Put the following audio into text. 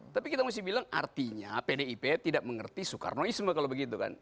tapi kita mesti bilang artinya pdip tidak mengerti soekarnoisme kalau begitu kan